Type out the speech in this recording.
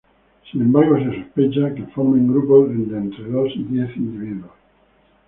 Sin embargo, se sospecha que formen grupos de entre dos y diez individuos.